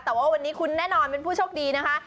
แต่ว่าวันนี้คุณแน่นอนเป็นผู้โชคดีนะคะ